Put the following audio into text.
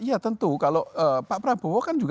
iya tentu kalau pak prabowo kan juga